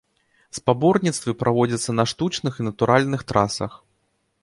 Спаборніцтвы праводзяцца на штучных і натуральных трасах.